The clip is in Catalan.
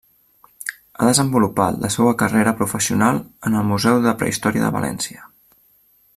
Ha desenvolupat la seua carrera professional en el Museu de Prehistòria de València.